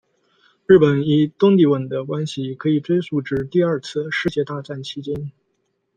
日本与东帝汶的关系可追溯至第二次世界大战期间。